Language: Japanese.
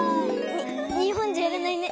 にほんじゃやらないね。